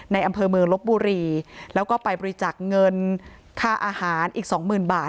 ในอำเภอเมืองลบบุรีแล้วก็ไปบริจักษ์เงินค่าอาหารอีกสองหมื่นบาท